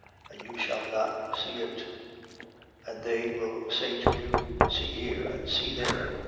And you shall not see it. 17:23. And they will say to you: See here, and see there.